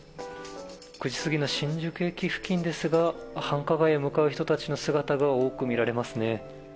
９時過ぎの新宿駅付近ですが、繁華街へ向かう人たちの姿が多く見られますね。